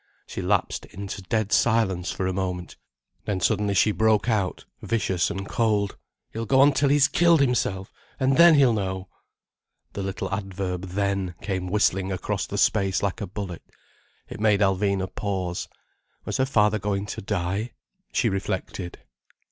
She lapsed into dead silence for a moment. Then suddenly she broke out, vicious and cold: "He'll go on till he's killed himself, and then he'll know." The little adverb then came whistling across the space like a bullet. It made Alvina pause. Was her father going to die? She reflected.